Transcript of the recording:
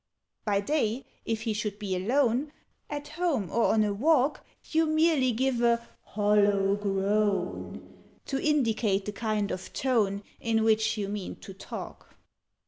"By day, if he should be alone At home or on a walk You merely give a hollow groan, To indicate the kind of tone In which you mean to talk.